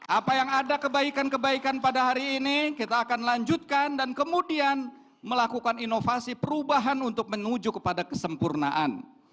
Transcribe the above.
apa yang ada kebaikan kebaikan pada hari ini kita akan lanjutkan dan kemudian melakukan inovasi perubahan untuk menuju kepada kesempurnaan